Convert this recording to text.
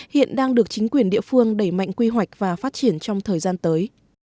hiện đang được chính quyền địa phương đẩy mạnh quy hoạch và phát triển trong thời gian tới